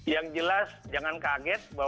yang jelas jangan kaget